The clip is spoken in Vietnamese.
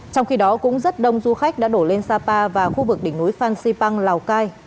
trong khi đó cũng rất đông du khách đã đổ lên sapa và khu vực đỉnh núi phan xipang lào cai